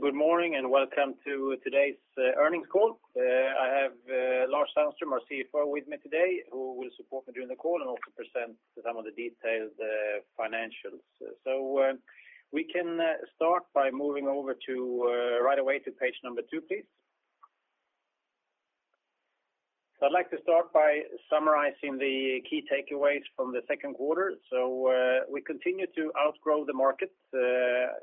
Good morning, and welcome to today's earnings call. I have Lars Sandström, our CFO, with me today, who will support me during the call and also present some of the detailed financials. So, we can start by moving over to right away to page number two, please. I'd like to start by summarizing the key takeaways from the second quarter. So, we continue to outgrow the market.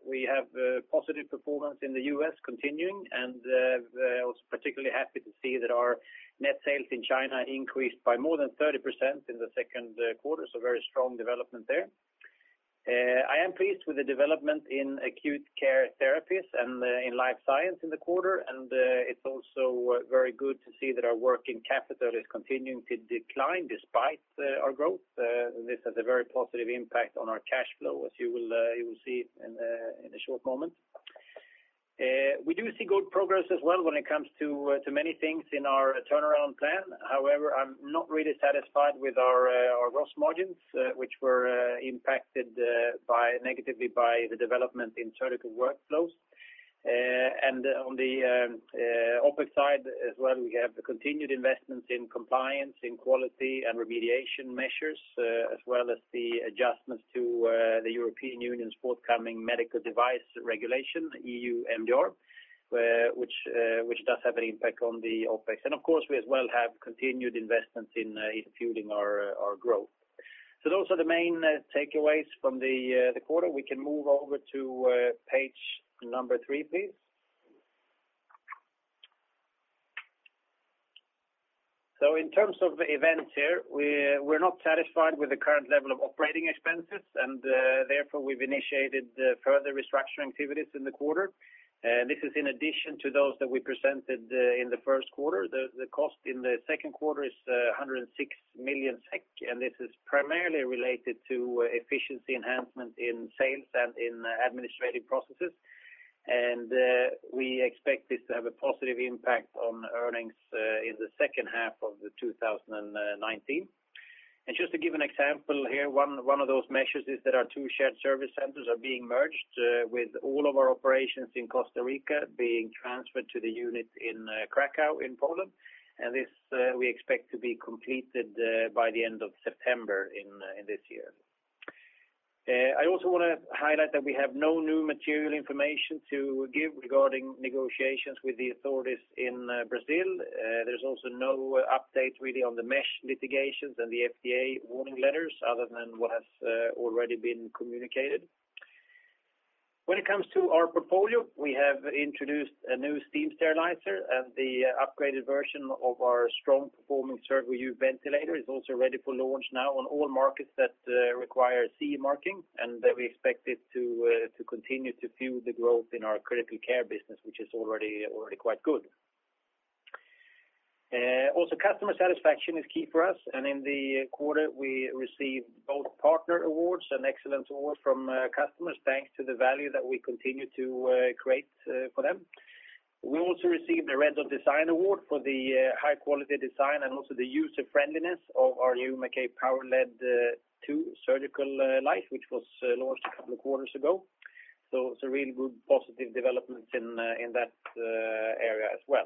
We have positive performance in the U.S. continuing, and I was particularly happy to see that our net sales in China increased by more than 30% in the second quarter, so very strong development there. I am pleased with the development in Acute Care Therapies and in Life Science in the quarter, and it's also very good to see that our working capital is continuing to decline despite our growth. This has a very positive impact on our cash flow, as you will see in a short moment. We do see good progress as well when it comes to many things in our turnaround plan. However, I'm not really satisfied with our gross margins, which were impacted negatively by the development in Surgical Workflows. On the OpEx side as well, we have the continued investments in compliance, in quality, and remediation measures, as well as the adjustments to the European Union's forthcoming medical device regulation, EU MDR, which does have an impact on the OpEx. Of course, we as well have continued investments in fueling our growth. Those are the main takeaways from the quarter. We can move over to page number three, please. In terms of events here, we're not satisfied with the current level of operating expenses, and therefore, we've initiated further restructuring activities in the quarter. This is in addition to those that we presented in the first quarter. The cost in the second quarter is 106 million SEK, and this is primarily related to efficiency enhancement in sales and in administrative processes. We expect this to have a positive impact on earnings in the second half of 2019. Just to give an example here, one of those measures is that our two shared service centers are being merged, with all of our operations in Costa Rica being transferred to the unit in Kraków, in Poland. This we expect to be completed by the end of September in this year. I also want to highlight that we have no new material information to give regarding negotiations with the authorities in Brazil. There's also no update really on the mesh litigations and the FDA warning letters, other than what has already been communicated. When it comes to our portfolio, we have introduced a new steam sterilizer, and the upgraded version of our strong performing Servo-u ventilator is also ready for launch now on all markets that require CE marking, and we expect it to to continue to fuel the growth in our critical care business, which is already already quite good. Also, customer satisfaction is key for us, and in the quarter, we received both partner awards and excellence awards from customers, thanks to the value that we continue to create for them. We also received a Red Dot Design Award for the high-quality design and also the user-friendliness of our new Maquet PowerLED II surgical light, which was launched a couple of quarters ago. So some real good positive developments in that area as well.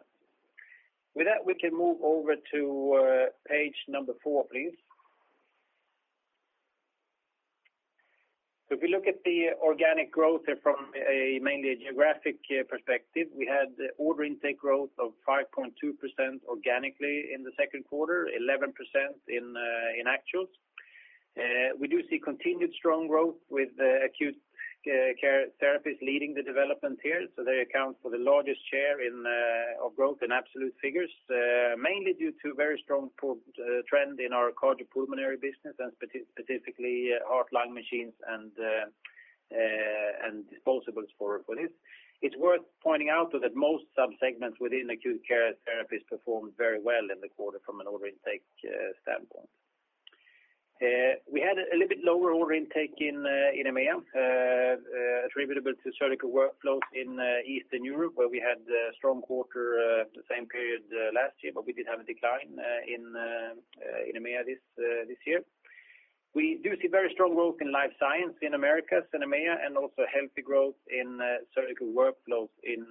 With that, we can move over to page number four, please. So if we look at the organic growth from mainly a geographic perspective, we had order intake growth of 5.2% organically in the second quarter, 11% in actuals. We do see continued strong growth with Acute Care Therapies leading the development here, so they account for the largest share of growth in absolute figures, mainly due to very strong trend in our Cardiopulmonary business, and specifically, heart-lung machines and disposables for this. It's worth pointing out, though, that most subsegments within Acute Care Therapies performed very well in the quarter from an order intake standpoint. We had a little bit lower order intake in EMEA, attributable to Surgical Workflows in Eastern Europe, where we had a strong quarter the same period last year, but we did have a decline in EMEA this year. We do see very strong growth in Life Science in Americas and EMEA, and also healthy growth in Surgical Workflows in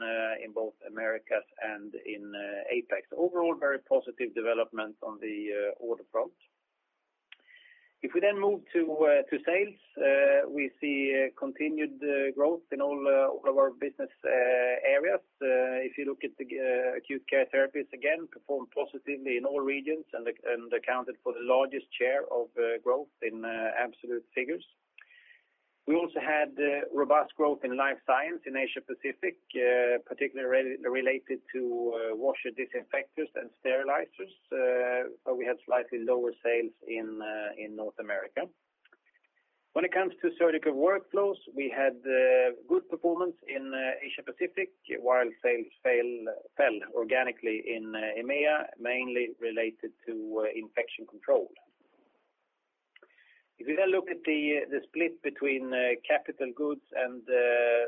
both Americas and in APAC. Overall, very positive development on the order front. If we then move to sales, we see continued growth in all of our business areas. If you look at the Acute Care Therapies, again performed positively in all regions and accounted for the largest share of growth in absolute figures. We also had robust growth in Life Science in Asia Pacific, particularly related to washer disinfectors and sterilizers, but we had slightly lower sales in North America. When it comes to Surgical Workflows, we had good performance in Asia Pacific, while sales fell organically in EMEA, mainly related to Infection Control. If you then look at the split between capital goods and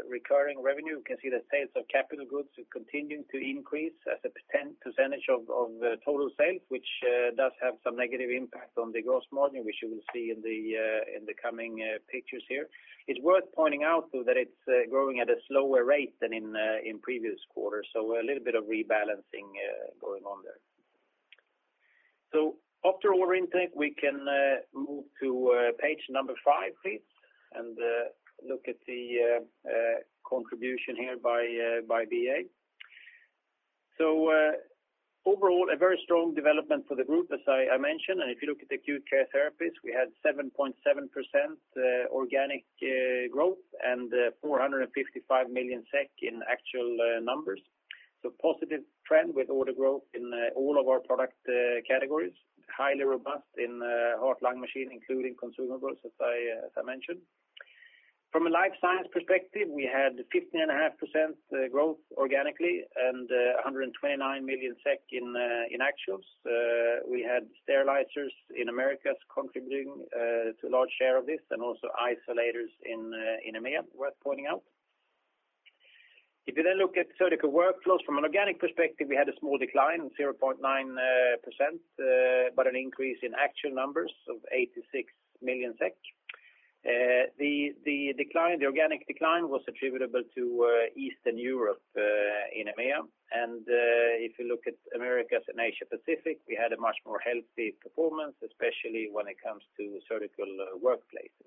recurring revenue, you can see the sales of capital goods continuing to increase as a percentage of total sales, which does have some negative impact on the gross margin, which you will see in the coming pictures here. It's worth pointing out, though, that it's growing at a slower rate than in previous quarters, so a little bit of rebalancing going on there. So after order intake, we can move to page number five, please, and look at the contribution here by BA. So, overall, a very strong development for the group, as I mentioned, and if you look at Acute Care Therapies, we had 7.7% organic growth and 455 million SEK in actual numbers. So positive trend with order growth in all of our product categories, highly robust in heart-lung machine, including consumables, as I mentioned. From a Life Science perspective, we had 15.5% growth organically and 129 million SEK in actuals. We had sterilizers in Americas contributing to a large share of this, and also isolators in EMEA, worth pointing out. If you then look at Surgical Workflows, from an organic perspective, we had a small decline, 0.9%, but an increase in actual numbers of 86 million SEK. The decline, the organic decline was attributable to Eastern Europe in EMEA, and if you look at Americas and Asia Pacific, we had a much more healthy performance, especially when it comes to Surgical Workplaces.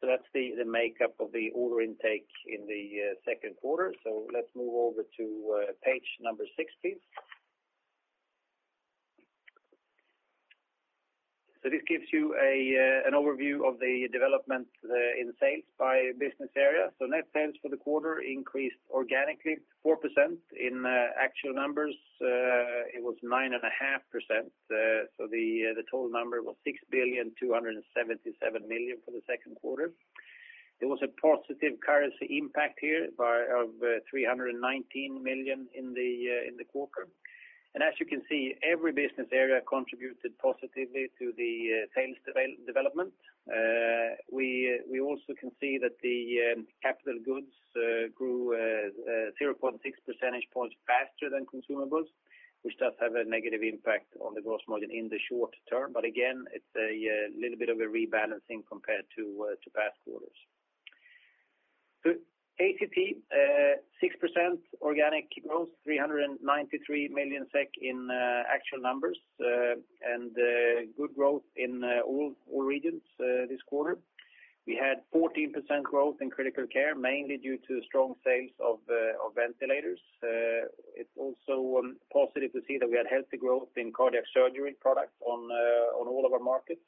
So that's the makeup of the order intake in the second quarter. So let's move over to page 6, please. So this gives you an overview of the development in sales by business area. So net sales for the quarter increased organically 4%. In actual numbers, it was 9.5%, so the total number was 6,277 million for the second quarter. There was a positive currency impact here of 319 million in the quarter. And as you can see, every business area contributed positively to the sales development. We also can see that the capital goods grew 0.6 percentage points faster than consumables, which does have a negative impact on the gross margin in the short term. But again, it's a little bit of a rebalancing compared to past quarters. So ACT 6% organic growth, 393 million SEK in actual numbers, and good growth in all regions this quarter. We had 14% growth in critical care, mainly due to strong sales of ventilators. It's also positive to see that we had healthy growth in cardiac surgery products on all of our markets.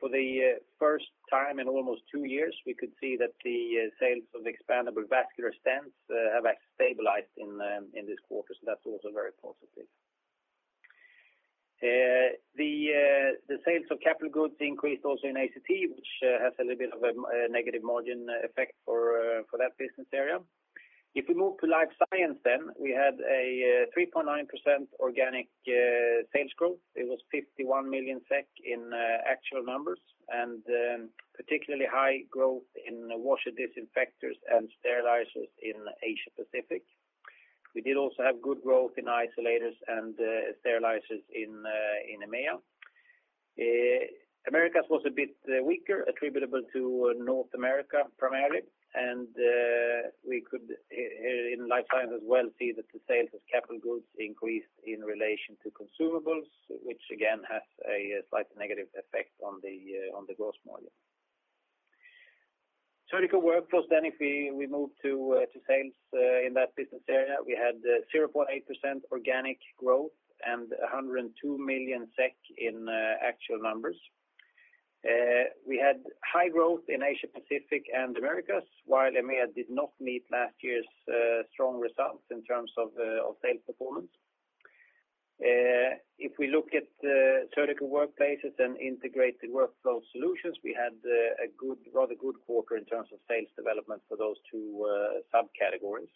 For the first time in almost two years, we could see that the sales of expandable vascular stents have actually stabilized in this quarter, so that's also very positive. The sales of capital goods increased also in ACT, which has a little bit of a negative margin effect for that business area. If we move to Life Science then, we had a 3.9% organic sales growth. It was 51 million SEK in actual numbers, and particularly high growth in washer disinfectors and sterilizers in Asia Pacific. We did also have good growth in isolators and sterilizers in EMEA. Americas was a bit weaker, attributable to North America, primarily, and we could in Life Science as well see that the sales of capital goods increased in relation to consumables, which again has a slight negative effect on the gross margin. Surgical Workflows, then if we move to sales in that business area, we had 0.8% organic growth and 102 million SEK in actual numbers. We had high growth in Asia Pacific and Americas, while EMEA did not meet last year's strong results in terms of sales performance. If we look at Surgical Workplaces and integrated workflow solutions, we had a good, rather good quarter in terms of sales development for those two subcategories.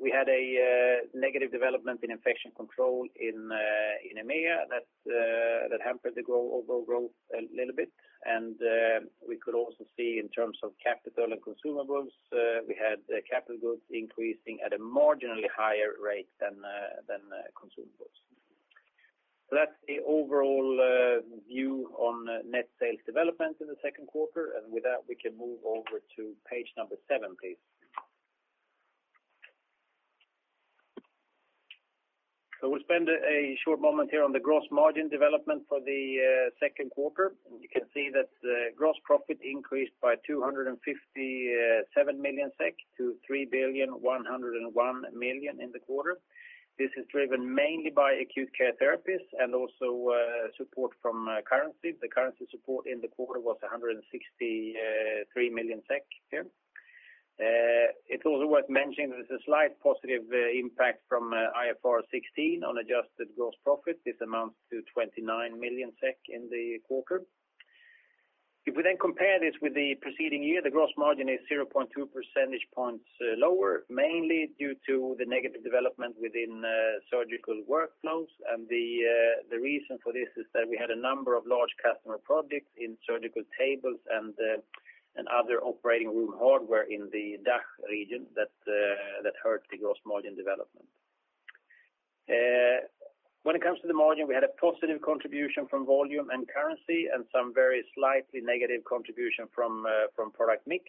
We had a negative development in Infection Control in EMEA that hampered the overall growth a little bit. We could also see in terms of capital and consumables, we had capital goods increasing at a marginally higher rate than consumables. That's the overall view on net sales development in the second quarter, and with that, we can move over to page number seven, please. We'll spend a short moment here on the gross margin development for the second quarter. You can see that the gross profit increased by 257 million SEK to 3.101 billion in the quarter. This is driven mainly by Acute Care Therapies and also support from currency. The currency support in the quarter was 163 million SEK here. It's also worth mentioning there's a slight positive impact from IFRS 16 on adjusted gross profit. This amounts to 29 million SEK in the quarter. If we then compare this with the preceding year, the gross margin is 0.2 percentage points lower, mainly due to the negative development within Surgical Workflows, and the reason for this is that we had a number of large customer products in surgical tables and other operating room hardware in the DACH region that hurt the gross margin development. When it comes to the margin, we had a positive contribution from volume and currency, and some very slightly negative contribution from product mix.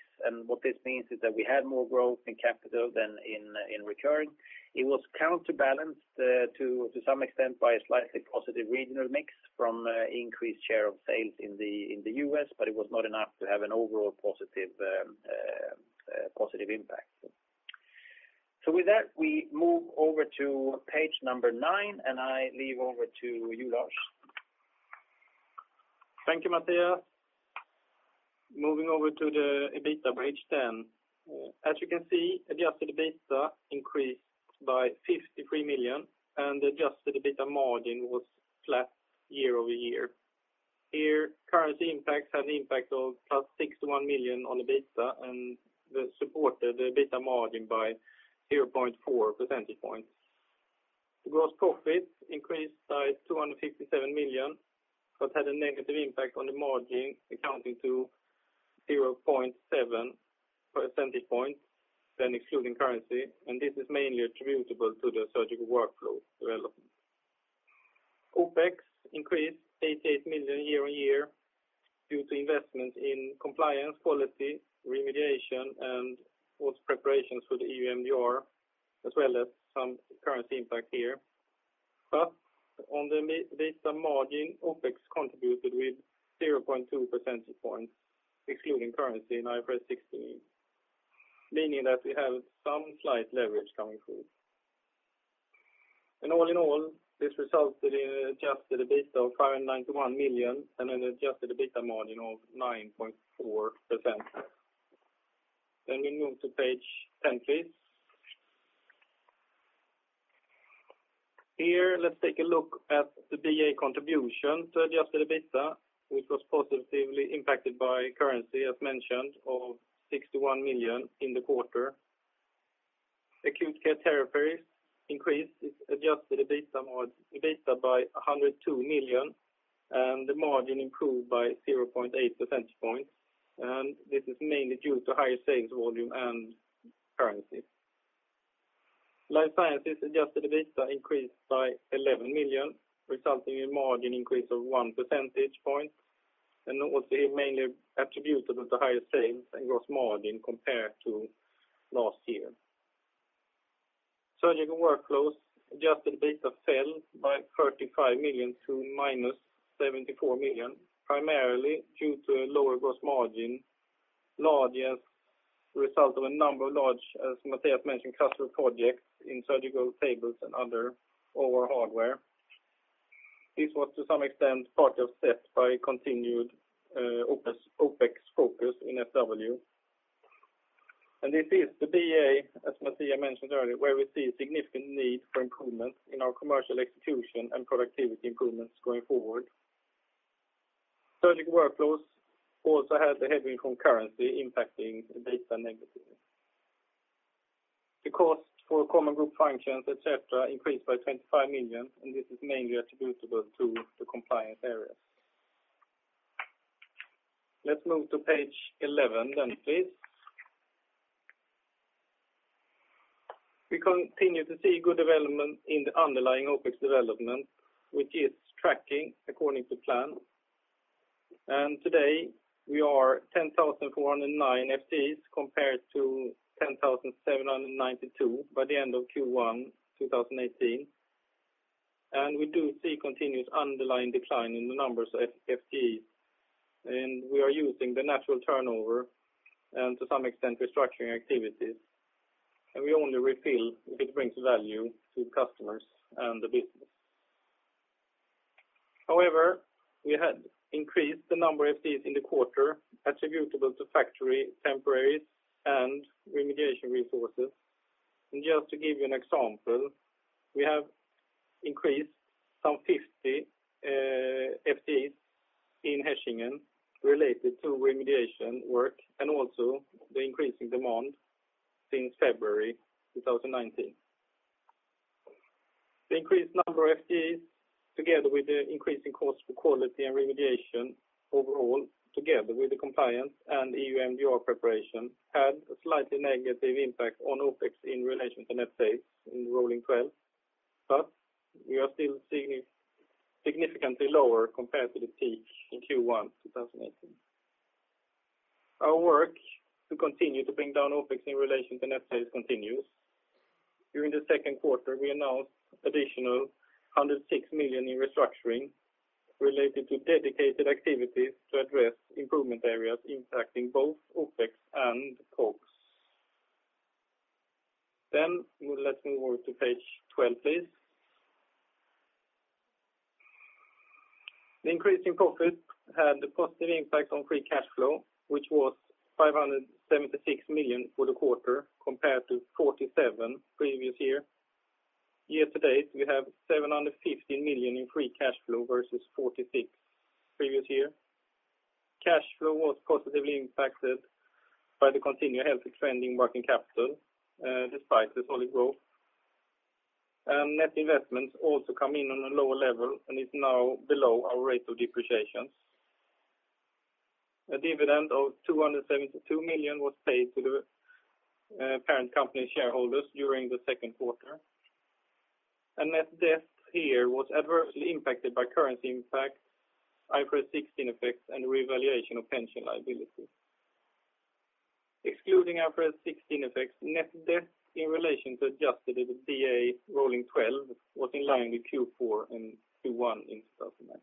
What this means is that we had more growth in capital than in recurring. It was counterbalanced to some extent by a slightly positive regional mix from increased share of sales in the U.S., but it was not enough to have an overall positive impact. With that, we move over to page number nine, and I leave over to you, Lars. Thank you, Mattias. Moving over to the EBITDA, page 10. As you can see, Adjusted EBITDA increased by 53 million, and Adjusted EBITDA margin was flat year-over-year. Here, currency impacts had an impact of +61 million on EBITDA, and this supported the EBITDA margin by 0.4 percentage points. The gross profit increased by 257 million, but had a negative impact on the margin, amounting to 0.7 percentage points, then excluding currency, and this is mainly attributable to the surgical workflow development. OPEX increased 88 million year-on-year due to investment in compliance, quality, remediation, and also preparations for the EU MDR, as well as some currency impact here. But on the EBITDA margin, OPEX contributed with 0.2 percentage points, excluding currency in IFRS 16, meaning that we have some slight leverage coming through. All in all, this resulted in Adjusted EBITDA of 591 million, and an Adjusted EBITDA margin of 9.4%. Then we move to page 10, please. Here, let's take a look at the BA contribution to Adjusted EBITDA, which was positively impacted by currency, as mentioned, of 61 million in the quarter. Acute Care Therapies increased its Adjusted EBITDA by 102 million, and the margin improved by 0.8 percentage points, and this is mainly due to higher sales volume and currency. Life Science Adjusted EBITDA increased by 11 million, resulting in margin increase of one percentage point, and it was mainly attributed to the higher sales and gross margin compared to last year. Surgical Workflows Adjusted EBITDA fell by 35 million to -74 million, primarily due to lower gross margin, largely as a result of a number of large, as Mattias mentioned, customer projects in surgical tables and other or hardware. This was, to some extent, partly offset by continued OpEx, OpEx focus in SW. This is the BA, as Mattias mentioned earlier, where we see a significant need for improvement in our commercial execution and productivity improvements going forward. Surgical Workflows also had a headwind from currency impacting the EBITDA negatively. The cost for common group functions, etc., increased by 25 million, and this is mainly attributable to the compliance areas. Let's move to page 11 then, please. We continue to see good development in the underlying OpEx development, which is tracking according to plan. Today, we are 10,409 FTEs compared to 10,792 by the end of Q1 2018. We do see continuous underlying decline in the numbers of FTEs, and we are using the natural turnover and to some extent, restructuring activities, and we only refill if it brings value to customers and the business. However, we had increased the number of FTEs in the quarter, attributable to factory temporaries and remediation resources. Just to give you an example, we have increased some 50 FTEs in Hechingen related to remediation work and also the increasing demand since February 2019. The increased number of FTEs, together with the increasing cost for quality and remediation overall, together with the compliance and EU MDR preparation, had a slightly negative impact on OpEx in relation to net sales in rolling twelve, but we are still significantly lower compared to the peak in Q1 2018. Our work to continue to bring down OpEx in relation to net sales continues. During the second quarter, we announced additional 106 million in restructuring related to dedicated activities to address improvement areas impacting both OpEx and COGS. Then let's move over to page 12, please. The increase in profit had a positive impact on free cash flow, which was 576 million for the quarter, compared to 47 million previous year. Year-to-date, we have 750 million in free cash flow versus 46 million previous year. Cash flow was positively impacted by the continued healthy trending working capital, despite the solid growth. Net investments also come in on a lower level and is now below our rate of depreciation. A dividend of 272 million was paid to the parent company shareholders during the second quarter. And net debt here was adversely impacted by currency impact, IFRS 16 effects, and revaluation of pension liability. Excluding IFRS 16 effects, net debt in relation to Adjusted EBITDA rolling twelve was in line with Q4 and Q1 in 2019.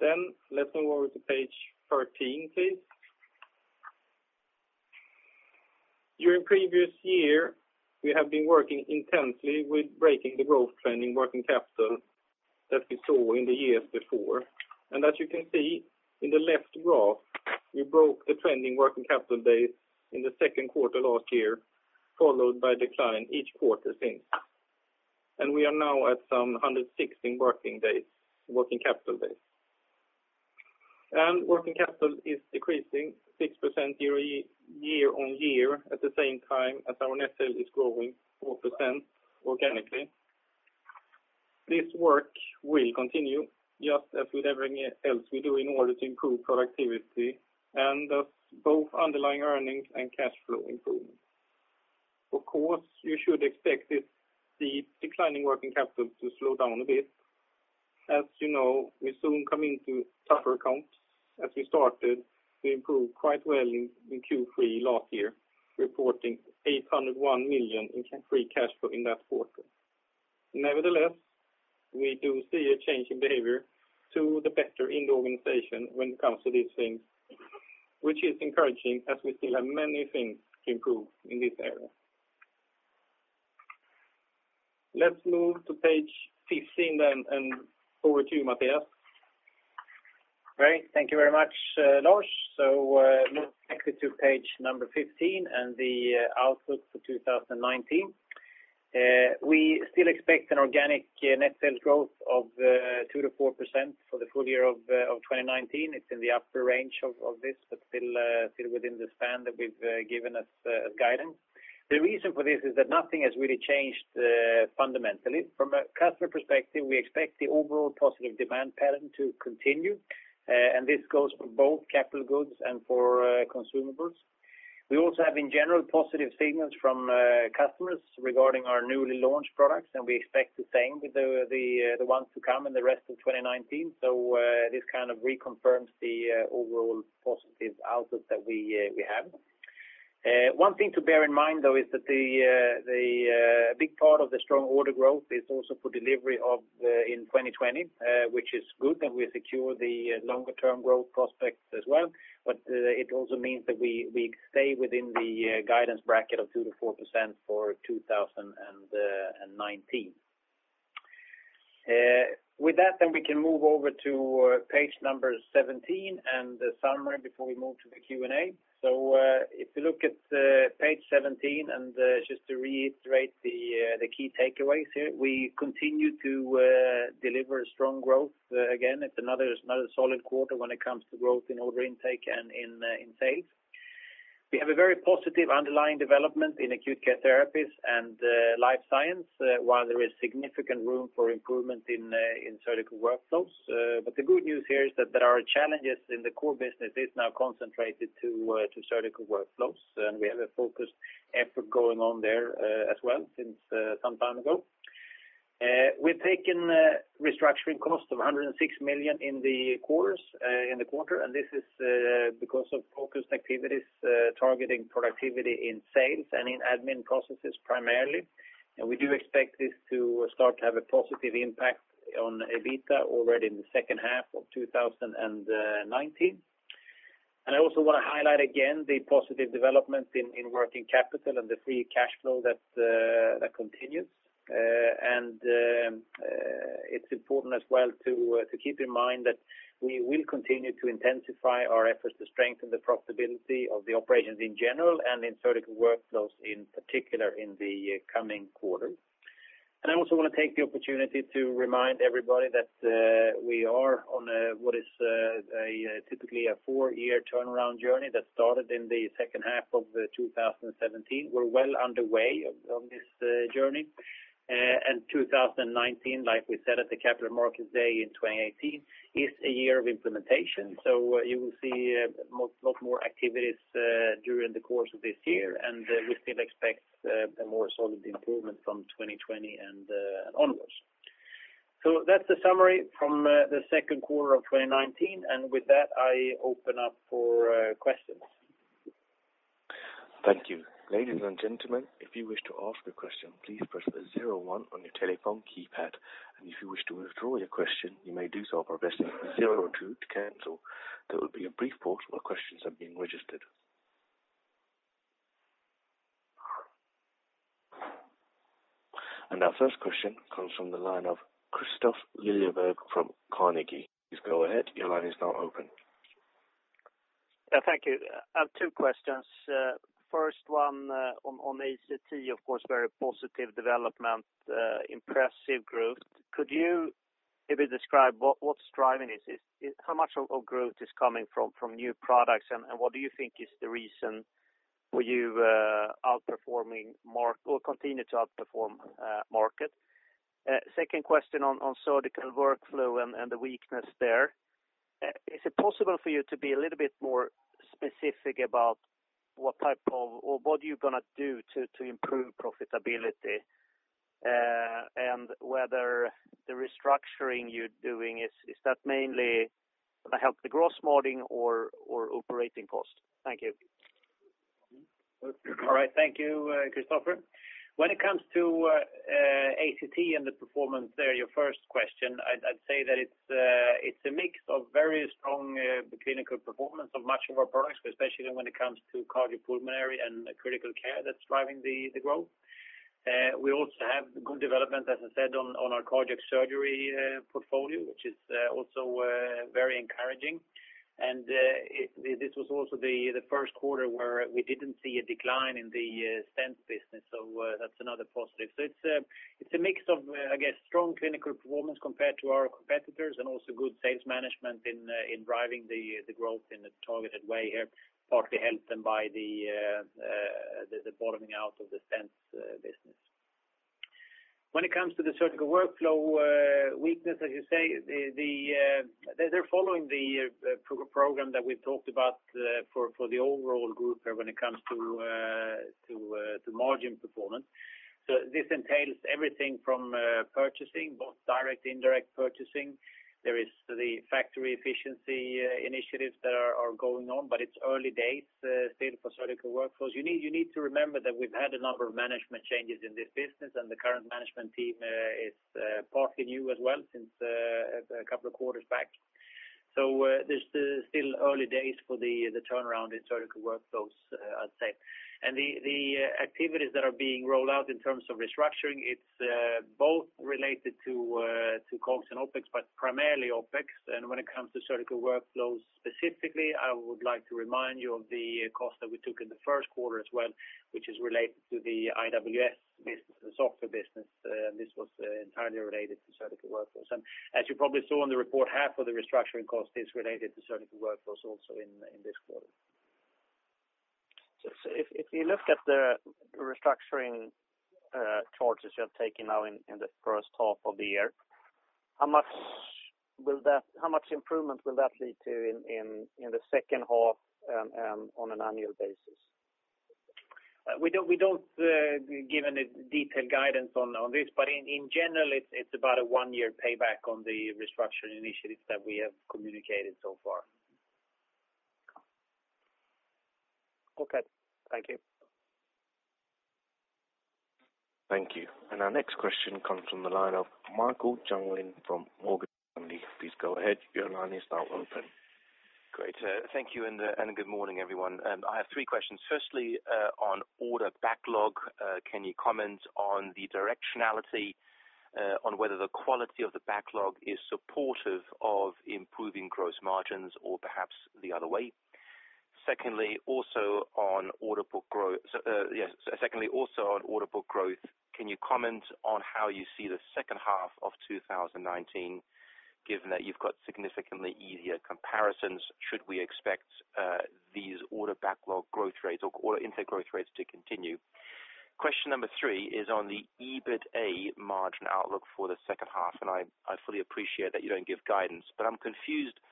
Then let's move over to page 13, please. During previous year, we have been working intensely with breaking the growth trend in working capital that we saw in the years before. As you can see in the left graph, we broke the trending working capital days in the second quarter last year, followed by decline each quarter since. We are now at about 160 working capital days. Working capital is decreasing 6% year-on-year, at the same time as our net sales is growing 4% organically. This work will continue, just as with everything else we do in order to improve productivity and thus both underlying earnings and cash flow improvement. Of course, you should expect this, the declining working capital to slow down a bit. As you know, we soon come into tougher accounts as we started to improve quite well in Q3 last year, reporting 801 million in free cash flow in that quarter. Nevertheless, we do see a change in behavior to the better in the organization when it comes to these things, which is encouraging as we still have many things to improve in this area. Let's move to page 15 then, and over to you, Mattias. Great. Thank you very much, Lars. So, move actually to page number 15 and the outlook for 2019. We still expect an organic net sales growth of 2%-4% for the full year of 2019. It's in the upper range of this, but still within the span that we've given as guidance. The reason for this is that nothing has really changed fundamentally. From a customer perspective, we expect the overall positive demand pattern to continue, and this goes for both capital goods and for consumables. We also have, in general, positive signals from customers regarding our newly launched products, and we expect the same with the ones to come in the rest of 2019. So, this kind of reconfirms the overall positive outlook that we have. One thing to bear in mind, though, is that a big part of the strong order growth is also for delivery in 2020, which is good, and we secure the longer-term growth prospects as well. But it also means that we stay within the guidance bracket of 2%-4% for 2019. With that, we can move over to page 17 and the summary before we move to the Q&A. So, if you look at page 17, just to reiterate the key takeaways here, we continue to deliver strong growth. Again, it's another solid quarter when it comes to growth in order intake and in sales. We have a very positive underlying development in Acute Care Therapies and, Life Science, while there is significant room for improvement in, in Surgical Workflows. But the good news here is that there are challenges in the core business is now concentrated to, to Surgical Workflows, and we have a focused effort going on there, as well since, some time ago. We've taken, restructuring costs of 106 million in the quarters, in the quarter, and this is, because of focused activities, targeting productivity in sales and in admin processes primarily. And we do expect this to start to have a positive impact on EBITDA already in the second half of 2019. And I also want to highlight again the positive development in, in working capital and the free cash flow that, that continues. It's important as well to keep in mind that we will continue to intensify our efforts to strengthen the profitability of the operations in general and in Surgical Workflows, in particular, in the coming quarters. I also want to take the opportunity to remind everybody that we are on what is typically a four-year turnaround journey that started in the second half of 2017. We're well underway on this journey. And 2019, like we said at the Capital Markets Day in 2018, is a year of implementation. So you will see a lot more activities during the course of this year, and we still expect a more solid improvement from 2020 onwards. That's the summary from the second quarter of 2019, and with that, I open up for questions. Thank you. Ladies and gentlemen, if you wish to ask a question, please press the 01 on your telephone keypad. If you wish to withdraw your question, you may do so by pressing 02 to cancel. There will be a brief pause while questions are being registered. Our first question comes from the line of Kristof Liljeberg from Carnegie. Please go ahead. Your line is now open. Yeah, thank you. I have two questions. First one, on ACT, of course, very positive development, impressive growth. Could you maybe describe what, what's driving this? How much of growth is coming from new products, and what do you think is the reason for you outperforming market or continue to outperform market? Second question on Surgical Workflows and the weakness there. Is it possible for you to be a little bit more specific about what type of, or what are you gonna do to improve profitability? And whether the restructuring you're doing is that mainly to help the gross margin or operating costs? Thank you. All right. Thank you, Kristofer. When it comes to ACT and the performance there, your first question, I'd say that it's a mix of very strong clinical performance of much of our products, especially when it comes to Cardiopulmonary and critical care that's driving the growth. We also have good development, as I said, on our cardiac surgery portfolio, which is also very encouraging. And this was also the first quarter where we didn't see a decline in the stent business, so that's another positive. So it's a mix of, I guess, strong clinical performance compared to our competitors, and also good sales management in driving the growth in a targeted way here, partly helped them by the bottoming out of the stent business. When it comes to the Surgical Workflows weakness, as you say, they're following the program that we've talked about for the overall group when it comes to margin performance. So this entails everything from purchasing, both direct, indirect purchasing. There is the factory efficiency initiatives that are going on, but it's early days still for Surgical Workflows. You need, you need to remember that we've had a number of management changes in this business, and the current management team is partly new as well since a couple of quarters back. So, this is still early days for the turnaround in Surgical Workflows, I'd say. And the activities that are being rolled out in terms of restructuring, it's both related to COGS and OpEx, but primarily OpEx. And when it comes to Surgical Workflows, specifically, I would like to remind you of the cost that we took in the first quarter as well, which is related to the IWS business, the software business. This was entirely related to Surgical Workflows. And as you probably saw in the report, half of the restructuring cost is related to Surgical Workflows also in this quarter. So if you look at the restructuring charges you have taken now in the first half of the year, how much will that—how much improvement will that lead to in the second half, on an annual basis? We don't give any detailed guidance on this, but in general, it's about a one-year payback on the restructuring initiatives that we have communicated so far. Okay. Thank you. Thank you. And our next question comes from the line of Michael Jüngling from Morgan Stanley. Please go ahead. Your line is now open. Great. Thank you, and good morning, everyone. I have three questions. Firstly, on order backlog, can you comment on the directionality, on whether the quality of the backlog is supportive of improving gross margins or perhaps the other way? Secondly, also on order book growth, can you comment on how you see the second half of 2019, given that you've got significantly easier comparisons; should we expect these order backlog growth rates or order intake growth rates to continue? Question number three is on the EBITDA margin outlook for the second half, and I, I fully appreciate that you don't give guidance, but I'm confused by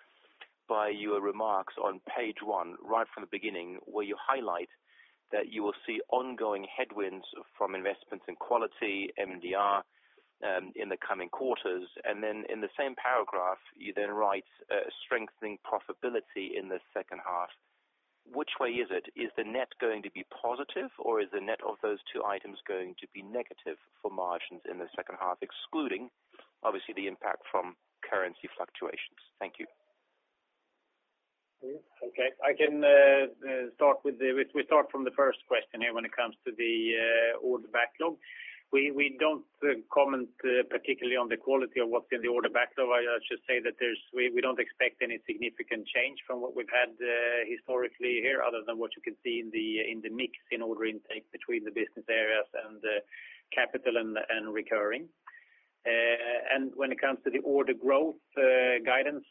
your remarks on page one, right from the beginning, where you highlight that you will see ongoing headwinds from investments in quality, MDR, in the coming quarters. And then in the same paragraph, you then write, strengthening profitability in the second half. Which way is it? Is the net going to be positive, or is the net of those two items going to be negative for margins in the second half, excluding, obviously, the impact from currency fluctuations? Thank you. Okay. I can start with the we start from the first question here when it comes to the order backlog. We don't comment particularly on the quality of what's in the order backlog. I should say that we don't expect any significant change from what we've had historically here, other than what you can see in the mix in order intake between the business areas and capital and recurring. And when it comes to the order growth guidance,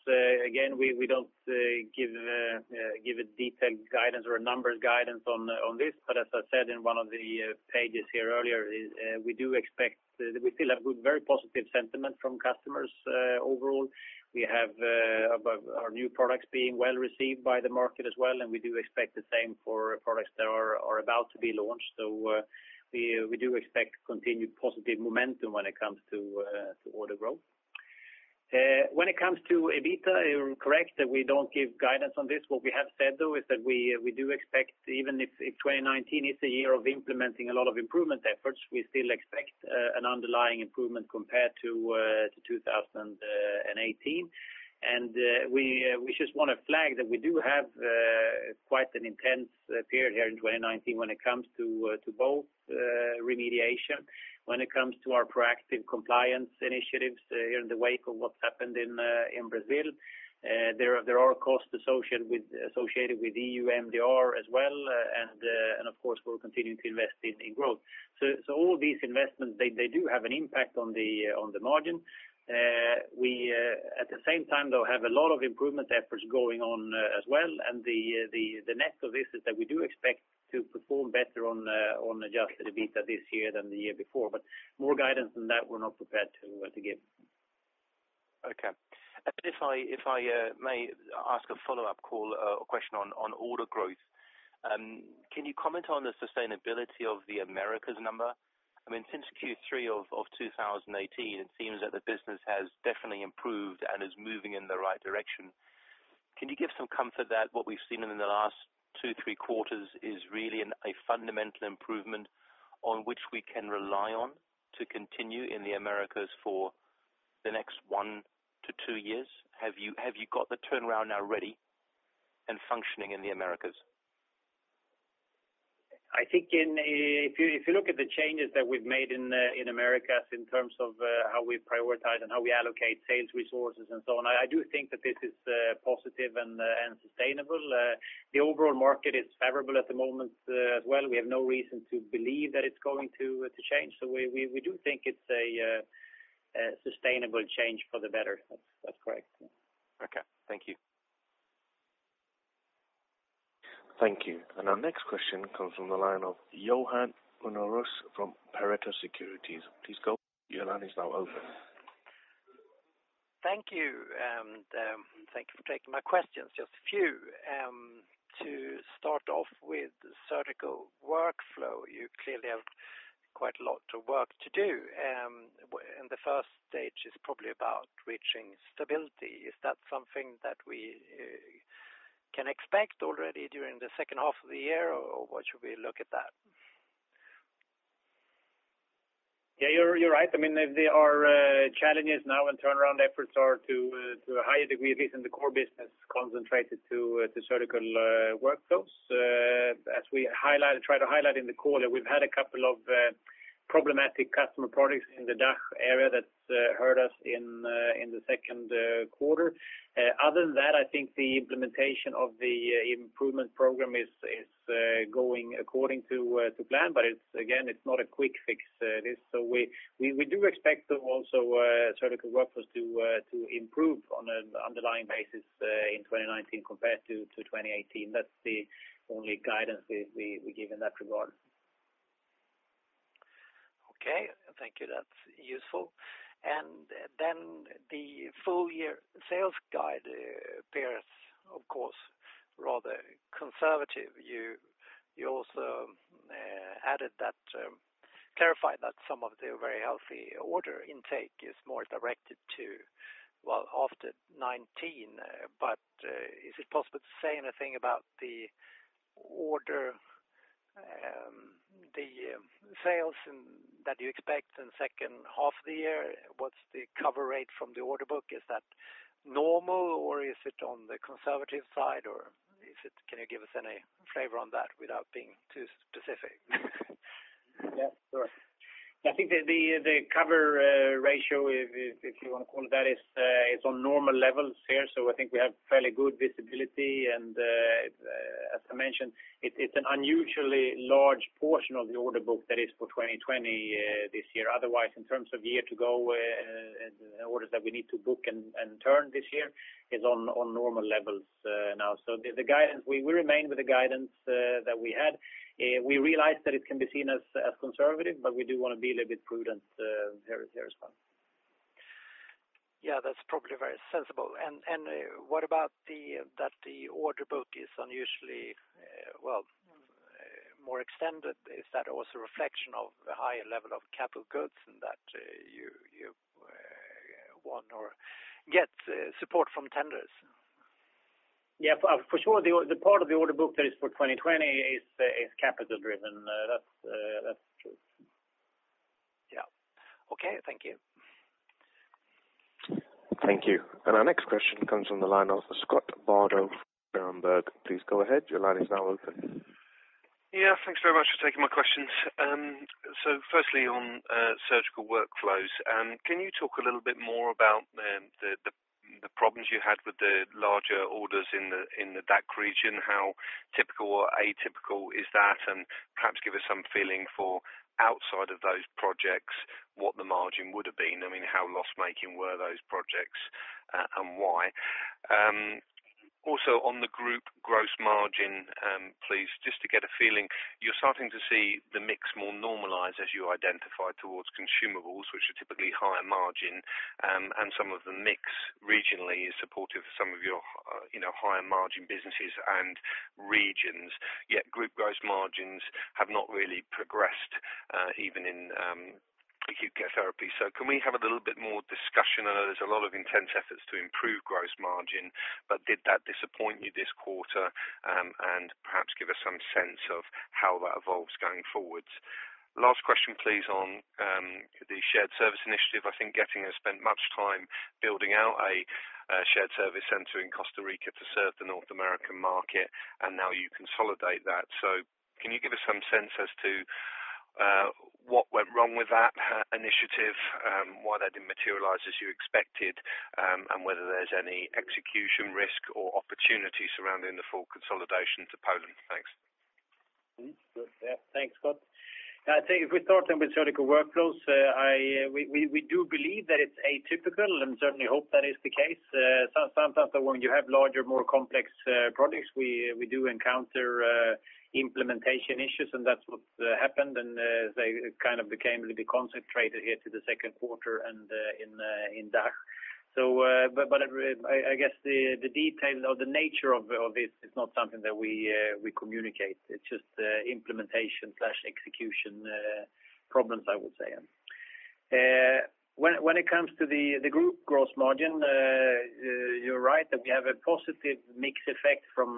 again, we don't give a detailed guidance or a numbers guidance on this. But as I said in one of the pages here earlier, we do expect. We feel a good, very positive sentiment from customers overall. We have, our new products being well received by the market as well, and we do expect the same for products that are, are about to be launched. So, we, we do expect continued positive momentum when it comes to, to order growth. When it comes to EBITDA, you're correct that we don't give guidance on this. What we have said, though, is that we, we do expect, even if, if 2019 is the year of implementing a lot of improvement efforts, we still expect, an underlying improvement compared to, to 2018. We just want to flag that we do have quite an intense period here in 2019 when it comes to both remediation, when it comes to our proactive compliance initiatives, in the wake of what's happened in Brazil. There are costs associated with EU MDR as well, and of course, we're continuing to invest in growth. So all these investments, they do have an impact on the margin. We at the same time, though, have a lot of improvement efforts going on as well, and the net of this is that we do expect to perform better on Adjusted EBITDA this year than the year before. But more guidance than that, we're not prepared to give. Okay. And if I may ask a follow-up call or question on order growth, can you comment on the sustainability of the Americas number? I mean, since Q3 of 2018, it seems that the business has definitely improved and is moving in the right direction. Can you give some comfort that what we've seen in the last two, three quarters is really a fundamental improvement on which we can rely on to continue in the Americas for the next 1-2 years? Have you got the turnaround now ready and functioning in the Americas? I think in, if you look at the changes that we've made in, in Americas in terms of, how we prioritize and how we allocate sales resources and so on, I do think that this is, positive and, and sustainable. The overall market is favorable at the moment, as well. We have no reason to believe that it's going to, to change. So we do think it's a, a sustainable change for the better. That's correct. Okay. Thank you. Thank you. Our next question comes from the line of Johan Unnérus from Pareto Securities. Please go, your line is now open. Thank you, and thank you for taking my questions, just a few. To start off with Surgical Workflows, you clearly have quite a lot of work to do, and the first stage is probably about reaching stability. Is that something that we can expect already during the second half of the year, or what should we look at that? Yeah, you're right. I mean, there are challenges now and turnaround efforts are to a higher degree, at least in the core business, concentrated to Surgical Workflows. As we highlighted, tried to highlight in the quarter, we've had a couple of problematic customer projects in the DACH area that hurt us in the second quarter. Other than that, I think the implementation of the improvement program is going according to plan, but again, it's not a quick fix, this. So we do expect also Surgical Workflows to improve on an underlying basis in 2019 compared to 2018. That's the only guidance we give in that regard. Okay. Thank you. That's useful. And then the full year sales guide appears, of course, rather conservative. You also added that clarified that some of the very healthy order intake is more directed to, well, after 2019. But is it possible to say anything about the order, the sales and- that you expect in second half of the year? What's the cover rate from the order book? Is that normal, or is it on the conservative side, or is it – can you give us any flavor on that without being too specific? Yeah, sure. I think the cover ratio, if you want to call it that, is on normal levels here. So I think we have fairly good visibility, and as I mentioned, it's an unusually large portion of the order book that is for 2020, this year. Otherwise, in terms of year-to-go orders that we need to book and turn this year is on normal levels now. So the guidance, we remain with the guidance that we had. We realize that it can be seen as conservative, but we do want to be a little bit prudent here as well. Yeah, that's probably very sensible. And what about that the order book is unusually, well, more extended? Is that also a reflection of the higher level of capital goods and that you won or get support from tenders? Yeah, for sure, the part of the order book that is for 2020 is capital driven. That's true. Yeah. Okay, thank you. Thank you. Our next question comes from the line of Scott Bardo from Berenberg. Please go ahead. Your line is now open. Yeah, thanks very much for taking my questions. So firstly, on Surgical Workflows, can you talk a little bit more about the problems you had with the larger orders in the DACH region? How typical or atypical is that? And perhaps give us some feeling for outside of those projects, what the margin would have been. I mean, how loss-making were those projects, and why? Also on the group gross margin, please, just to get a feeling, you're starting to see the mix more normalized as you identified towards consumables, which are typically higher margin, and some of the mix regionally is supportive of some of your, you know, higher margin businesses and regions. Yet group gross margins have not really progressed, even in Acute Care Therapies. So can we have a little bit more discussion? I know there's a lot of intense efforts to improve gross margin, but did that disappoint you this quarter? And perhaps give us some sense of how that evolves going forward. Last question, please, on the shared service initiative. I think Getinge has spent much time building out a shared service center in Costa Rica to serve the North American market, and now you consolidate that. So can you give us some sense as to what went wrong with that initiative, why that didn't materialize as you expected, and whether there's any execution risk or opportunities surrounding the full consolidation to Poland? Thanks. Mm-hmm. Good. Yeah, thanks, Scott. I think if we start with Surgical Workflows, we do believe that it's atypical and certainly hope that is the case. So sometimes when you have larger, more complex projects, we do encounter implementation issues, and that's what happened, and they kind of became a little bit concentrated here to the second quarter and in DACH. So, but I guess the details or the nature of this is not something that we communicate. It's just implementation/execution problems, I would say. When it comes to the group gross margin, you're right that we have a positive mix effect from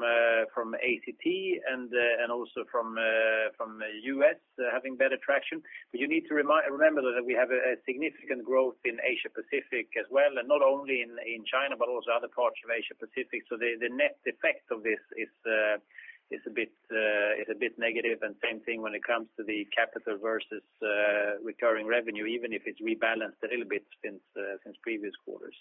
ACT and also from U.S. having better traction. But you need to remember that we have a significant growth in Asia Pacific as well, and not only in China, but also other parts of Asia Pacific. So the net effect of this is a bit negative, and same thing when it comes to the capital versus recurring revenue, even if it's rebalanced a little bit since previous quarters.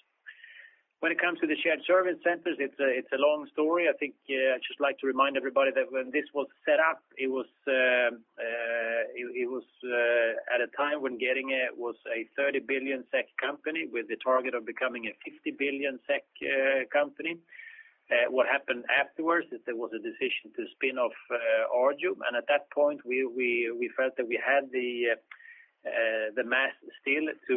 When it comes to the shared service centers, it's a long story. I think I'd just like to remind everybody that when this was set up, it was at a time when Getinge was a 30 billion SEK company with the target of becoming a 50 billion SEK company. What happened afterwards is there was a decision to spin off Arjo, and at that point, we felt that we had the mass still to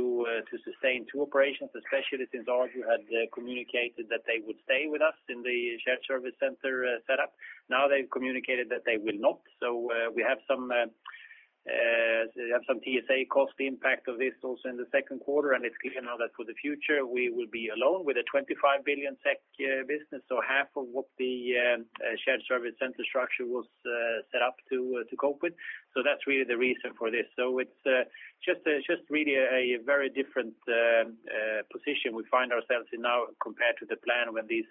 to sustain two operations, especially since Arjo had communicated that they would stay with us in the shared service center set up. Now they've communicated that they will not. So we have some we have some TSA cost impact of this also in the second quarter, and it's clear now that for the future, we will be alone with a 25 billion SEK business, so half of what the shared service center structure was set up to to cope with. So that's really the reason for this. So it's just really a very different position we find ourselves in now compared to the plan when these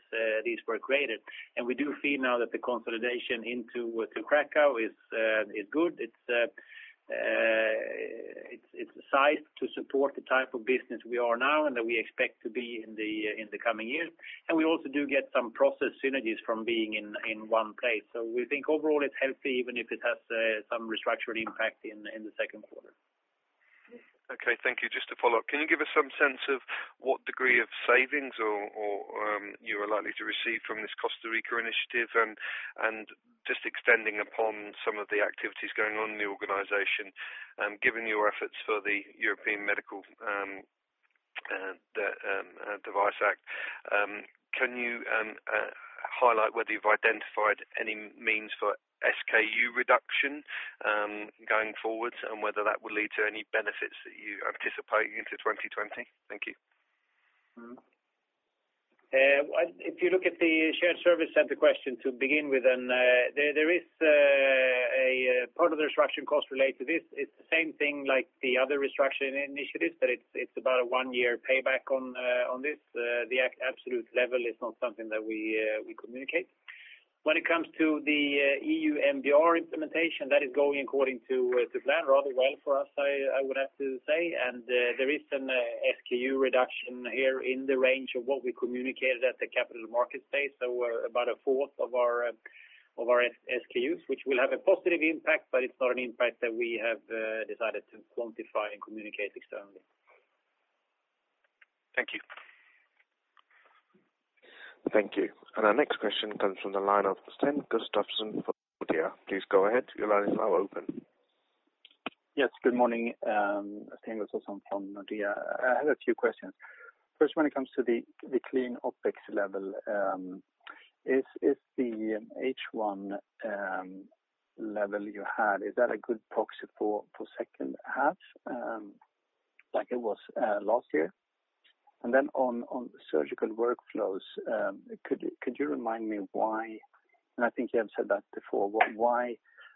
were created. And we do see now that the consolidation into to Kraków is good. It's sized to support the type of business we are now and that we expect to be in the coming years. And we also do get some process synergies from being in one place. So we think overall it's healthy, even if it has some structural impact in the second quarter. Okay, thank you. Just to follow up, can you give us some sense of what degree of savings you are likely to receive from this Costa Rica initiative? And just extending upon some of the activities going on in the organization, given your efforts for the European Medical Device seg, can you highlight whether you've identified any means for SKU reduction going forward, and whether that will lead to any benefits that you anticipate into 2020? Thank you. Mm-hmm. If you look at the shared service center question to begin with, then there is a part of the restructuring cost related to this. It's the same thing like the other restructuring initiatives, that it's about a one-year payback on this. The absolute level is not something that we communicate. When it comes to the EU MDR implementation, that is going according to plan rather well for us, I would have to say. And there is an SKU reduction here in the range of what we communicated at the Capital Markets Day. So we're about a fourth of our SKUs, which will have a positive impact, but it's not an impact that we have decided to quantify and communicate externally. Thank you. Thank you. And our next question comes from the line of Sten Gustafsson from Nordea. Please go ahead. Your line is now open. Yes, good morning, Sten Gustafsson from Nordea. I had a few questions. First, when it comes to the, the clean OpEx level, is, is the H1 level you had, is that a good proxy for, for second half, like it was last year? And then on, on Surgical Workflows, could, could you remind me why, and I think you have said that before, why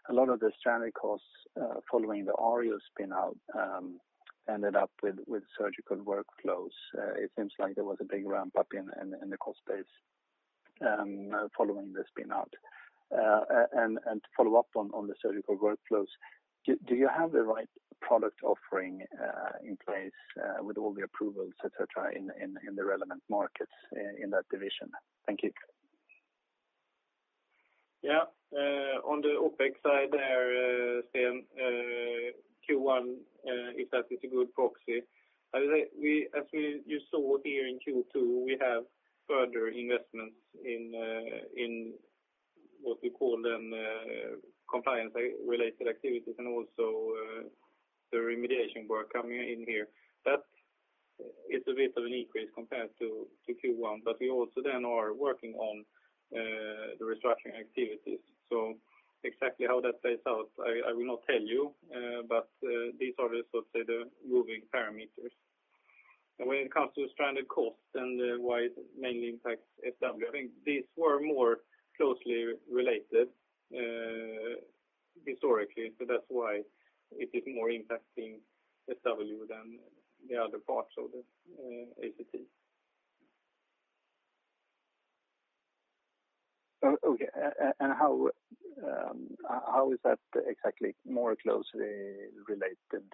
a lot of the stranded costs following the Arjo spin-out ended up with, with Surgical Workflows? And, and to follow up on, on the Surgical Workflows, do, do you have the right product offering in place with all the approvals, etc., in the relevant markets in that division? Thank you. Yeah. On the OpEx side there, Sten, Q1, if that is a good proxy, I would say we, you saw here in Q2, we have further investments in, in what we call them, compliance-related activities and also, the remediation work coming in here. That it's a bit of an increase compared to Q1, but we also then are working on, the restructuring activities. So exactly how that plays out, I will not tell you, but, these are the, let's say, the moving parameters. And when it comes to stranded costs and why it mainly impacts SW, I think these were more closely related, historically, so that's why it is more impacting SW than the other parts of the, ACT. Okay. And how is that exactly more closely related?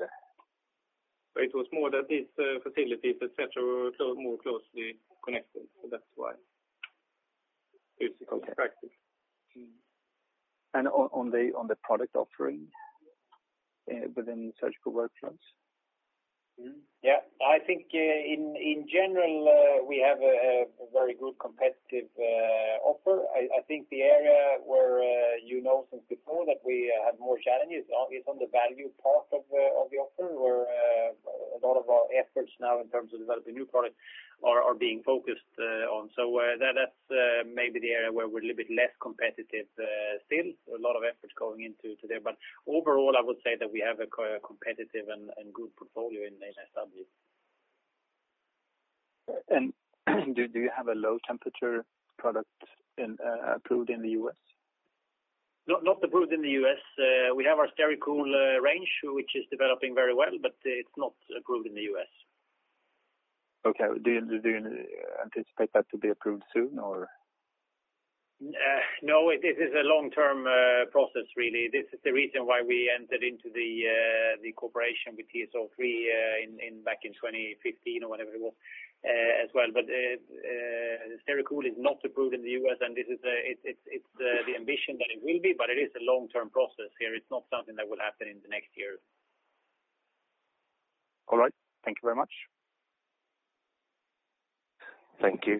But it was more that these, facilities, etc., were more closely connected. So that's why physical practice. And on the product offering within Surgical Workflows? Yeah, I think, in general, we have a very good competitive offer. I think the area where, you know, since before that we have more challenges is on the value part of the offer, where a lot of our efforts now in terms of developing new products are being focused on. So, that's maybe the area where we're a little bit less competitive still. A lot of efforts going into today, but overall, I would say that we have a competitive and good portfolio in ASW. Do you have a low temperature product approved in the U.S.? Not approved in the U.S. We have our Stericool range, which is developing very well, but it's not approved in the U.S. Okay. Do you anticipate that to be approved soon, or? No, this is a long-term process, really. This is the reason why we entered into the cooperation with TSO3 in back in 2015 or whenever it was, as well. But Stericool is not approved in the U.S., and this is the ambition that it will be, but it is a long-term process here. It's not something that will happen in the next year. All right. Thank you very much. Thank you.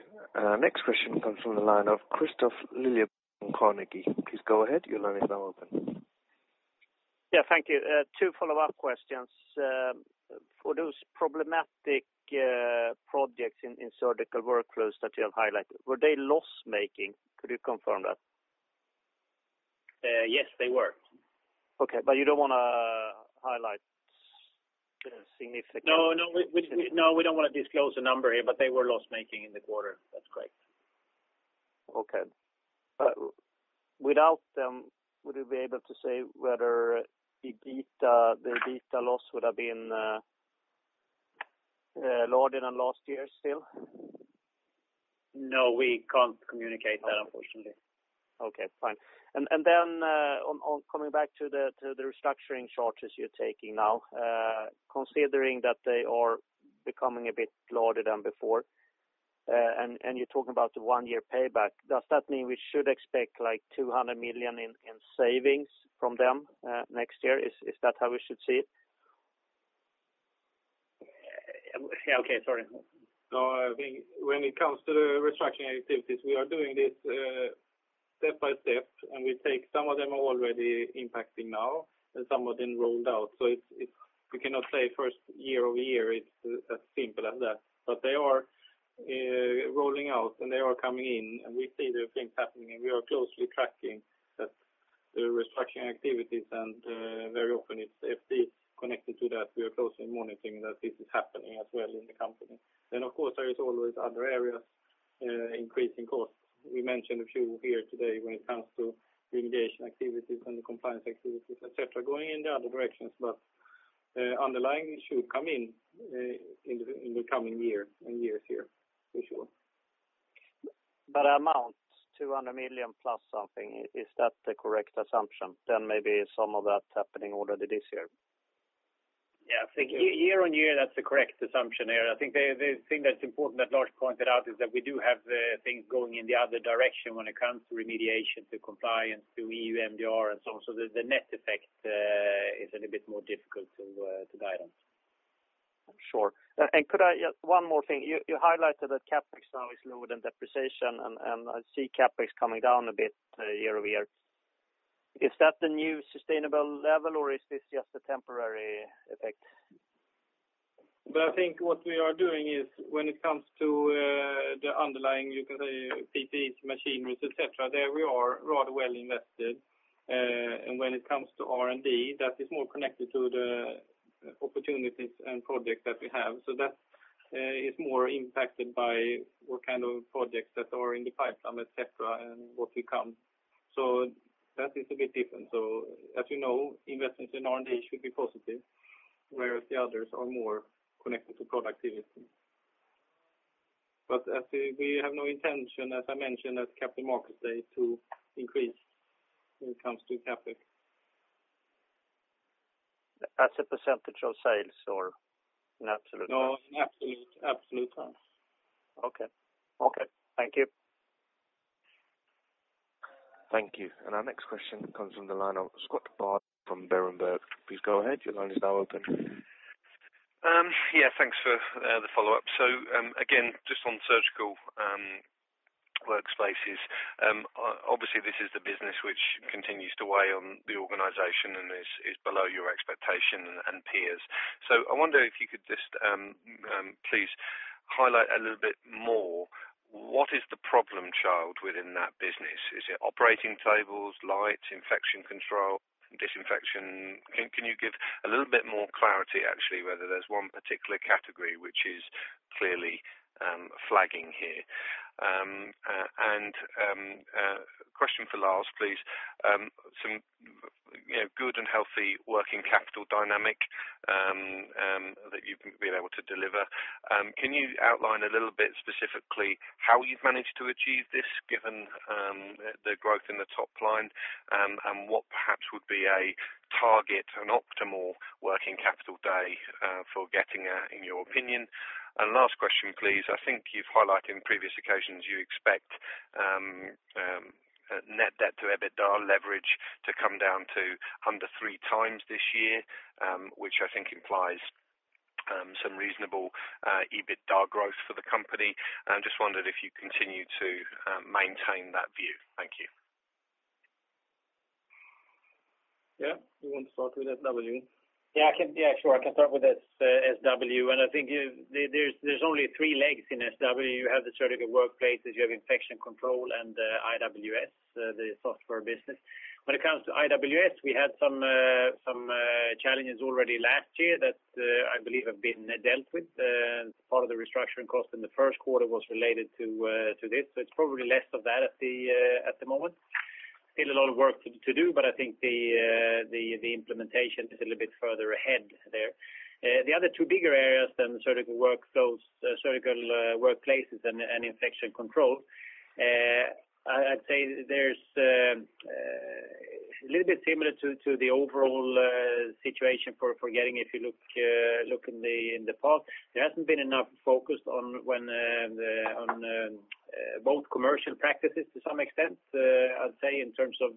Next question comes from the line of Kristof Liljeberg from Carnegie. Please go ahead. Your line is now open. Yeah, thank you. Two follow-up questions. For those problematic projects in Surgical Workflows that you have highlighted, were they loss-making? Could you confirm that? Yes, they were. Okay, but you don't wanna highlight significantly? No, we don't want to disclose the number here, but they were loss-making in the quarter. That's correct. Okay. Without them, would you be able to say whether the beta loss would have been lower than in last year still? No, we can't communicate that, unfortunately. Okay, fine. And then, on coming back to the restructuring charges you're taking now, considering that they are becoming a bit larger than before, and you're talking about the one-year payback, does that mean we should expect, like, 200 million in savings from them next year? Is that how we should see it? Yeah, okay. Sorry. No, I think when it comes to the restructuring activities, we are doing this, step by step, and we take some of them are already impacting now, and some of them rolled out. So it's, we cannot say first year-over-year, it's as simple as that. But they are, rolling out and they are coming in, and we see the things happening. We are closely tracking that the restructuring activities and, very often it's FP connected to that. We are closely monitoring that this is happening as well in the company. Then, of course, there is always other areas, increasing costs. We mentioned a few here today when it comes to the engagement activities and the compliance activities, etc., going in the other directions, but, underlying it should come in, in the coming year and years here, for sure. Amount, 200 million plus something, is that the correct assumption? Maybe some of that's happening already this year. Yeah. I think year-on-year, that's the correct assumption there. I think the thing that's important that Lars pointed out is that we do have the things going in the other direction when it comes to remediation, to compliance, to EU MDR and so on. So the net effect is a little bit more difficult to guide on. Sure. And could I just – one more thing. You, you highlighted that CapEx now is lower than depreciation, and, and I see CapEx coming down a bit year-over-year. Is that the new sustainable level, or is this just a temporary effect? But I think what we are doing is when it comes to, the underlying, you can say, PPE, machineries, etc., there we are rather well invested. And when it comes to R&D, that is more connected to the opportunities and projects that we have. So that is more impacted by what kind of projects that are in the pipeline, etc., and what we come. So that is a bit different. So as you know, investments in R&D should be positive, whereas the others are more connected to product activity. But as we, we have no intention, as I mentioned, at Capital Markets Day, to increase when it comes to CapEx. As a percentage of sales or an absolute number? No, an absolute, absolute number. Okay. Okay, thank you. Thank you. And our next question comes from the line of Scott Bardo from Berenberg. Please go ahead, your line is now open. Yeah, thanks for the follow-up. So, again, just on surgical workspaces, obviously, this is the business which continues to weigh on the organization and is below your expectation and peers. So I wonder if you could just please highlight a little bit more, what is the problem child within that business? Is it operating tables, lights, Infection Control, disinfection? Can you give a little bit more clarity, actually, whether there's one particular category which is clearly flagging here? And question for Lars, please. You know, good and healthy working capital dynamic that you've been able to deliver. Can you outline a little bit specifically how you've managed to achieve this, given the growth in the top line? And what perhaps would be a target, an optimal working capital day, for Getinge, in your opinion? And last question, please. I think you've highlighted in previous occasions, you expect, net debt to EBITDA leverage to come down to under 3x this year, which I think implies, some reasonable, EBITDA growth for the company. And just wondered if you continue to, maintain that view. Thank you. Yeah. You want to start with SW? Yeah, I can – yeah, sure. I can start with S- SW. And I think there's only three legs in SW. You have the Surgical Workplaces, you have Infection Control, and, IWS, the software business. When it comes to IWS, we had some challenges already last year that, I believe have been dealt with. Part of the restructuring cost in the first quarter was related to, to this. So it's probably less of that at the, at the moment. Still a lot of work to, to do, but I think the, the, the implementation is a little bit further ahead there. The other two bigger areas than the surgical work, those, Surgical Workplaces and Infection Control, I'd say there's a little bit similar to the overall situation for Getinge, if you look in the past. There hasn't been enough focus on both commercial practices to some extent, I'd say in terms of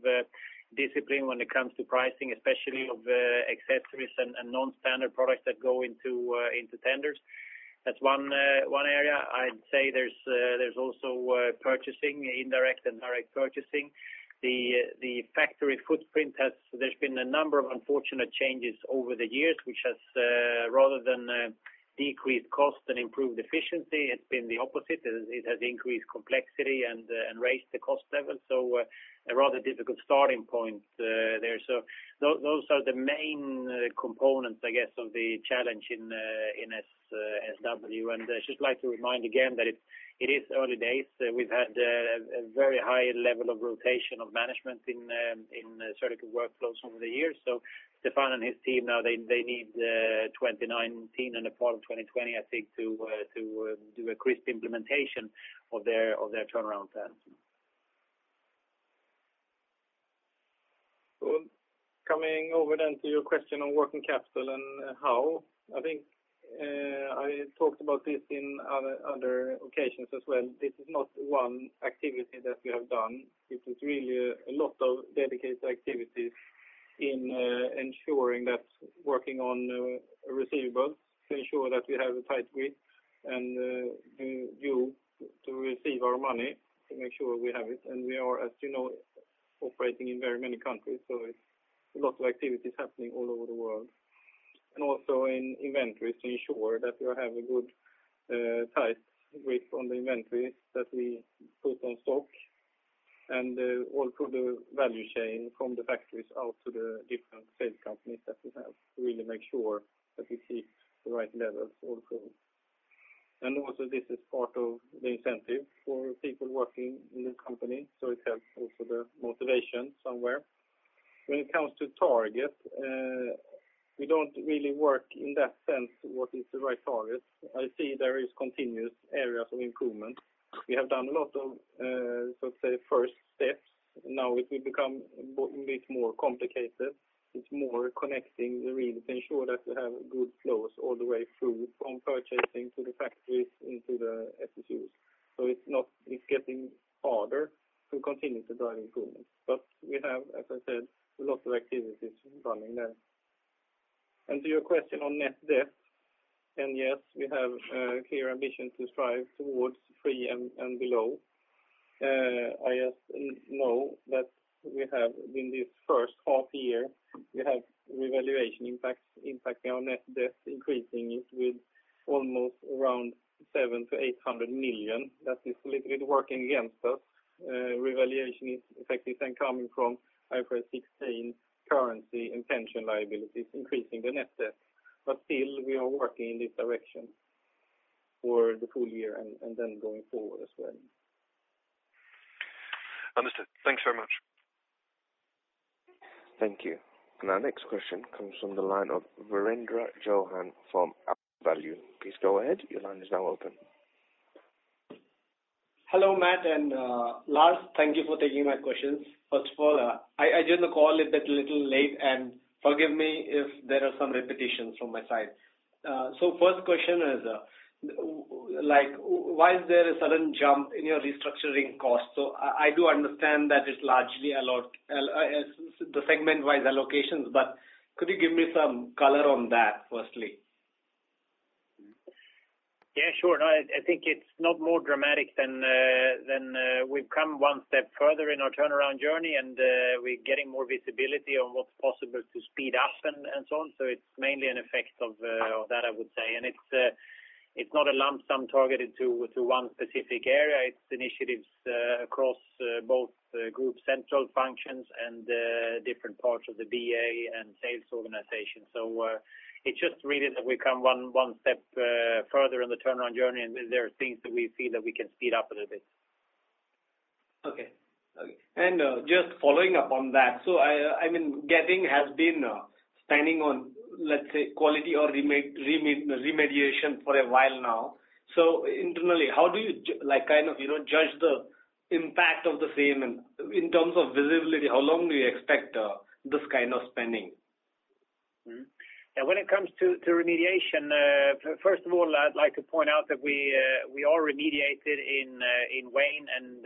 discipline when it comes to pricing, especially of accessories and non-standard products that go into tenders. That's one area. I'd say there's also purchasing, indirect and direct purchasing. The factory footprint has. There's been a number of unfortunate changes over the years, which has rather than decreased cost and improved efficiency, it's been the opposite. It has increased complexity and raised the cost level. So, a rather difficult starting point, there. So those are the main components, I guess, of the challenge in SW. And I just like to remind again, that it's early days. We've had a very high level of rotation of management in Surgical Workflows over the years. So Stefan and his team, now they need 2019 and the part of 2020, I think, to do a crisp implementation of their turnaround plans. Well, coming over then to your question on working capital and how, I think, I talked about this in other, other occasions as well. This is not one activity that we have done. It is really a lot of dedicated activities in ensuring that working on receivables, to ensure that we have a tight grip and view to receive our money, to make sure we have it. And we are, as you know, operating in very many countries, so it's a lot of activities happening all over the world. And also in inventories, to ensure that we have a good tight grip on the inventory that we put on stock, and all through the value chain from the factories out to the different sales companies that we have, to really make sure that we keep the right levels also. And also, this is part of the incentive for people working in the company, so it helps also the motivation somewhere. When it comes to target, we don't really work in that sense, what is the right target? I see there is continuous areas of improvement. We have done a lot of, so say, first steps. Now, it will become a bit more complicated. It's more connecting the rings to ensure that we have good flows all the way through from purchasing to the factories into the SCUs. So it's not. It's getting harder to continue to drive improvement, but we have, as I said, a lot of activities running there. And to your question on net debt, and yes, we have a clear ambition to strive towards three and below. I just know that we have in this first half year, we have revaluation impacts impacting our net debt, increasing it with almost around 700 million-800 million. That is literally working against us. Revaluation is effective and coming from IFRS 16, currency and pension liabilities, increasing the net debt. But still, we are working in this direction for the full year and, and then going forward as well. Understood. Thanks very much. Thank you. And our next question comes from the line of Virendra Chauhan from AlphaValue. Please go ahead. Your line is now open. Hello, Matt and Lars, thank you for taking my questions. First of all, I joined the call a little late, and forgive me if there are some repetitions from my side. So first question is, why is there a sudden jump in your restructuring cost? So I do understand that it's largely a lot the segment-wide allocations, but could you give me some color on that, firstly? Yeah, sure. No, I think it's not more dramatic than we've come one step further in our turnaround journey, and we're getting more visibility on what's possible to speed up and so on. So it's mainly an effect of that, I would say. And it's not a lump sum targeted to one specific area. It's initiatives across both the group central functions and different parts of the BA and sales organization. So it's just really that we come one step further in the turnaround journey, and there are things that we see that we can speed up a little bit. Okay, okay. And just following up on that, so I mean, Getinge has been standing on, let's say, quality or remediation for a while now. So internally, how do you like, kind of, you know, judge the impact of the same? And in terms of visibility, how long do you expect this kind of spending? Mm-hmm. Yeah, when it comes to remediation, first of all, I'd like to point out that we are remediated in Wayne and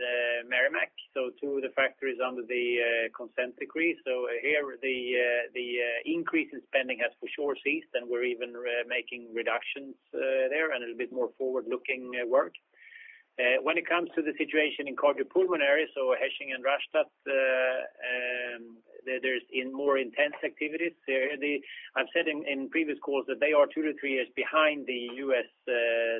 Merrimack, so two of the factories under the consent decree. So here, the increase in spending has for sure ceased, and we're even making reductions there, and a little bit more forward-looking work. When it comes to the situation in Cardiopulmonary, so Hechingen and Rastatt, there is more intense activities. There, I've said in previous calls that they are 2-3 years behind the U.S.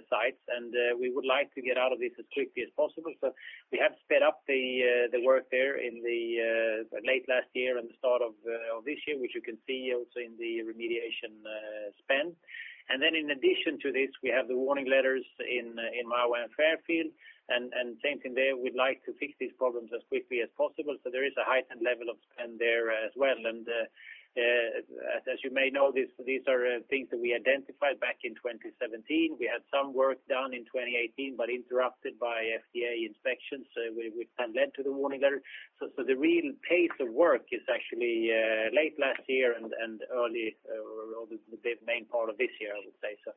sites, and we would like to get out of this as quickly as possible. So we have sped up the work there in the late last year and the start of this year, which you can see also in the remediation spend. And then in addition to this, we have the warning letters in Mahwah and Fairfield, and same thing there, we'd like to fix these problems as quickly as possible, so there is a heightened level of spend there as well. And as you may know, these are things that we identified back in 2017. We had some work done in 2018, but interrupted by FDA inspections, so which then led to the warning letter. So the real pace of work is actually late last year and early or the main part of this year, I would say. So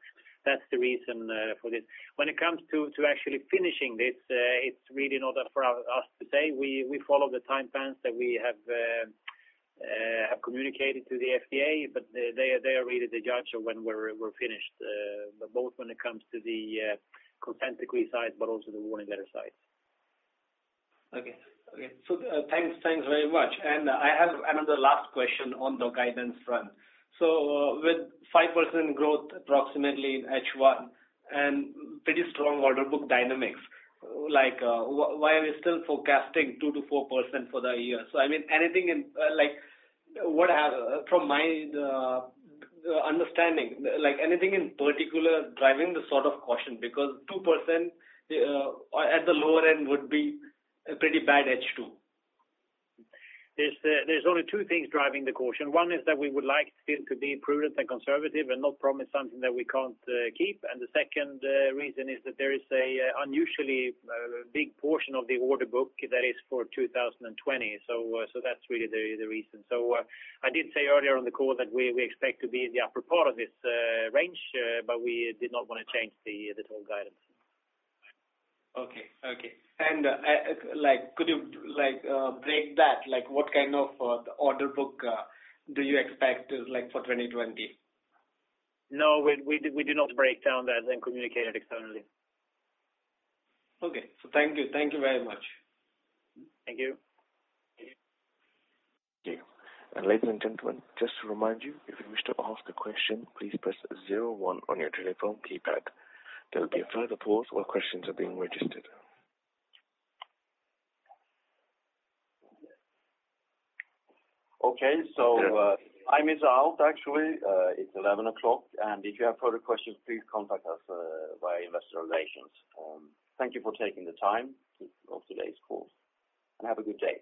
that's the reason for this. When it comes to actually finishing this, it's really not up for us to say. We follow the time frames that we have communicated to the FDA, but they are really the judge of when we're finished, both when it comes to the consent decree side, but also the warning letter side. Okay. Okay. So, thanks, thanks very much. And I have another last question on the guidance front. So with 5% growth approximately in H1 and pretty strong order book dynamics, like, why are we still forecasting 2%-4% for the year? So, I mean, anything in, like, what I have, from my understanding, like anything in particular driving this sort of caution, because 2% at the lower end would be a pretty bad H2. There's only two things driving the caution. One is that we would like still to be prudent and conservative and not promise something that we can't keep. And the second reason is that there is an unusually big portion of the order book that is for 2020. So that's really the reason. So I did say earlier on the call that we expect to be in the upper part of this range, but we did not want to change the total guidance. Okay. Okay. And, like, could you, like, break that? Like, what kind of order book do you expect, like for 2020? No, we do not break down that and communicate it externally. Okay. So thank you. Thank you very much. Thank you. Thank you. Ladies and gentlemen, just to remind you, if you wish to ask a question, please press 01 on your telephone keypad. There will be a further pause while questions are being registered. Okay, so, time is out, actually, it's 11:00 A.M., and if you have further questions, please contact us via Investor Relations. Thank you for taking the time of today's call, and have a good day.